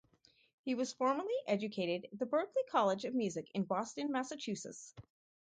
He was formally educated at the Berklee College of Music in Boston, Massachusetts.